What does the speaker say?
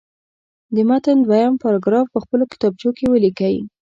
د متن دویم پاراګراف په خپلو کتابچو کې ولیکئ.